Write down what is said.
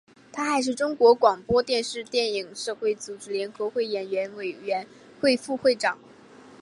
他还是中国广播电影电视社会组织联合会演员委员会副会长。